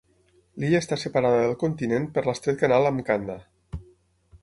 L'illa està separada del continent per l'estret canal "Mkanda".